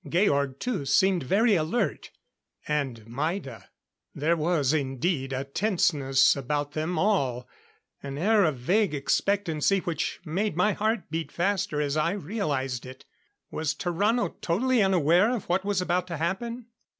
Georg, too, seemed very alert. And Maida. There was, indeed, a tenseness about them all an air of vague expectancy which made my heart beat faster as I realized it. Was Tarrano totally unaware of what was about to happen?